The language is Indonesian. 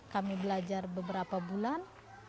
kami belajar beberapa bulan